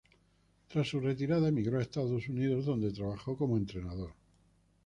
Tras su retirada emigró a Estados Unidos donde trabajó como entrenador.